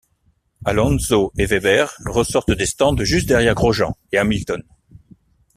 Alonso et Webber ressortent des stands juste derrière Grosjean et Hamilton.